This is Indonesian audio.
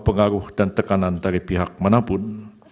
pengaruh dan tekanan dari pihak manapun